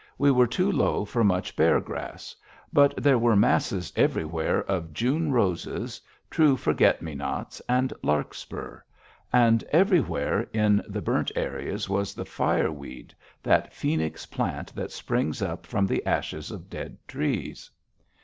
We were too low for much bear grass. But there were masses everywhere of June roses, true forget me nots, and larkspur. And everywhere in the burnt areas was the fireweed, that phoenix plant that springs up from the ashes of dead trees.